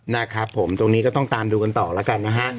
นะครับผมตรงนี้ก็ต้องตามดูกันต่อแล้วกันนะฮะ